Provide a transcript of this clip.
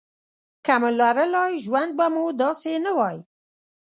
که مو لرلای ژوند به مو داسې نه وای.